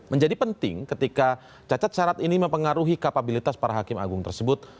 menjadi penting ketika cacat syarat ini mempengaruhi kapabilitas para hakim agung tersebut